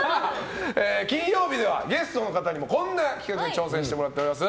金曜日ではゲストの方にもこんな企画に挑戦してもらってます。